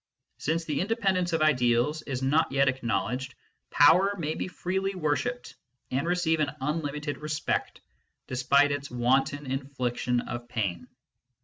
Since the independence of ideals is not yet acknowledged, Power may be freely wor shipped, and receive an unlimited respect, despite its wanton infliction of pain.